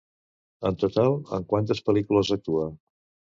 En total, en quantes pel·lícules actuà?